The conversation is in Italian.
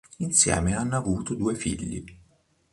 Insieme hanno avuto due figli.